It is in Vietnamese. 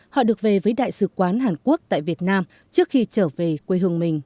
họ được về với đại sứ quán hàn quốc tại việt nam trước khi trở về quê hương mình